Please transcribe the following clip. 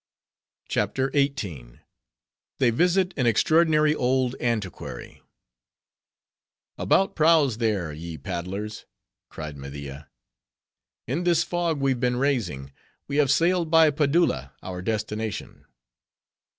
CHAPTER XVIII. They Visit An Extraordinary Old Antiquary "About prows there, ye paddlers," cried Media. "In this fog we've been raising, we have sailed by Padulla, our destination."